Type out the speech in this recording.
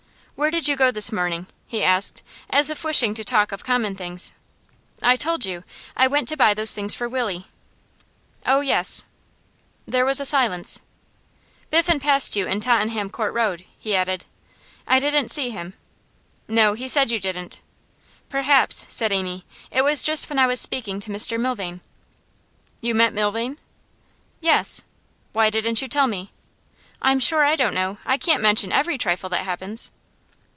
'Where did you go this morning?' he asked, as if wishing to talk of common things. 'I told you. I went to buy those things for Willie.' 'Oh yes.' There was a silence. 'Biffen passed you in Tottenham Court Road,' he added. 'I didn't see him.' 'No; he said you didn't.' 'Perhaps,' said Amy, 'it was just when I was speaking to Mr Milvain.' 'You met Milvain?' 'Yes.' 'Why didn't you tell me?' 'I'm sure I don't know. I can't mention every trifle that happens.